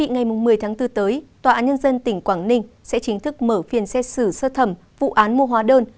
ngày một mươi tháng bốn tới tòa án nhân dân tỉnh quảng ninh sẽ chính thức mở phiên xét xử sơ thẩm vụ án mua hóa đơn